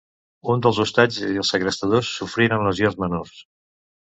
Un dels hostatges i el segrestador sofrien lesions menors.